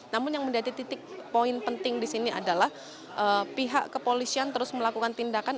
namun yang menjadi titik poin penting di sini adalah pihak kepolisian terus melakukan tindakan